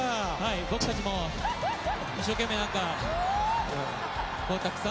僕たちも一生懸命たくさん。